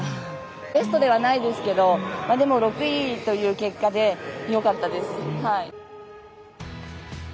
ベストではないですけれど６位という結果でよかったです。